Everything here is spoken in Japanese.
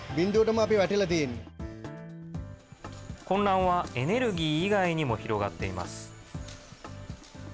混乱はエネルギー以外にも広がっています。